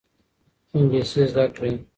انګلیسي زده کړئ.